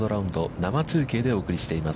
生中継でお送りしています。